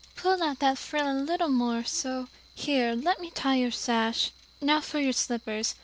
"Pull out that frill a little more so; here, let me tie your sash; now for your slippers.